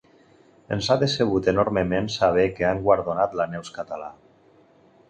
Ens ha decebut enormement saber que han guardonat la Neus Català.